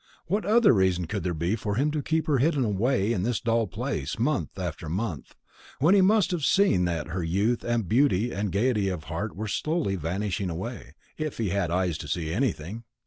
What other reason could there be for him to keep her hidden away in this dull place, month after month, when he must have seen that her youth and beauty and gaiety of heart were slowly vanishing away, if he had eyes to see anything?"